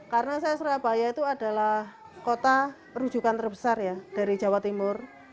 karena saya surabaya itu adalah kota rujukan terbesar ya dari jawa timur